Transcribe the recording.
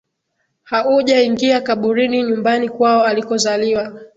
haujaingia kaburini nyumbani kwao alikozaliwa